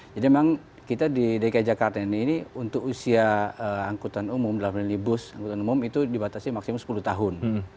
jadi memang kita di dki jakarta ini untuk usia angkutan umum dalam nilai bus angkutan umum itu dibatasi maksimum sepuluh tahun